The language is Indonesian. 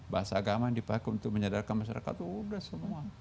bahasa agama yang dipakai untuk menyadarkan masyarakat sudah semua